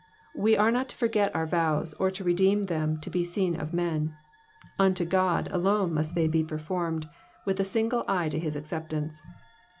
We are not to forget our vows, or to redeem them to be seen of men — unto Ood alono must they be performed, with a single eye to his acceptance.